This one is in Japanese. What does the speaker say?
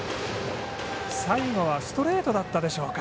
最後はストレートだったでしょうか。